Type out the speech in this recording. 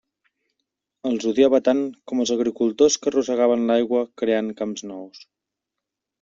Els odiava tant com els agricultors que rosegaven l'aigua creant camps nous.